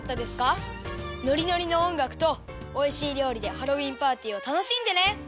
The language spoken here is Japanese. ノリノリのおんがくとおいしいりょうりでハロウィーンパーティーをたのしんでね！